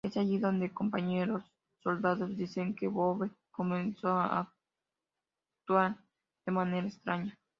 Es allí, donde compañeros soldados dicen que Bowe comenzó a actuar de manera extraña.